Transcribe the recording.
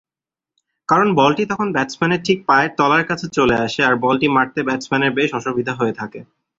কারণ বলটি তখন ব্যাটসম্যানের ঠিক পায়ের তলার কাছে চলে আসে আর বলটি মারতে ব্যাটসম্যানের বেশ অসুবিধা হয়ে থাকে।